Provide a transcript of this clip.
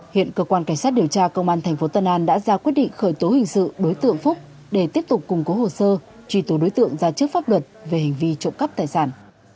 hiện cơ quan cảnh sát điều tra công an tp tân an đã ra quyết định khởi tố hình sự đối tượng phúc để tiếp tục củng cố hồ sơ truy tố đối tượng ra trước pháp luật về hành vi trộm cắp tài sản